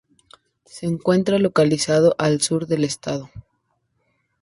Se encuentra localizado al sur del estado.